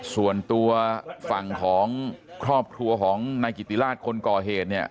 ส่วนตัวฝั่งของครอบครัวของนายกิติราชคนก่อเหตุเนี่ย